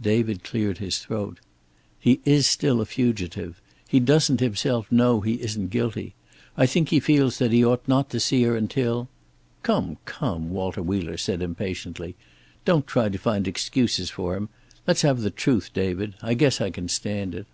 David cleared his throat. "He is still a fugitive. He doesn't himself know he isn't guilty. I think he feels that he ought not to see her until " "Come, come," Walter Wheeler said impatiently. "Don't try to find excuses for him. Let's have the truth, David. I guess I can stand it."